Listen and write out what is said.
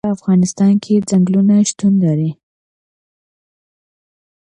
په افغانستان کې ځنګلونه شتون لري.